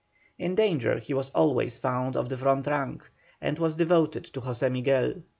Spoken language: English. In danger he was always found in the front rank, and was devoted to José Miguel.